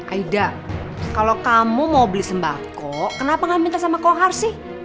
aida kalau kamu mau beli sembako kenapa nggak minta sama kohar sih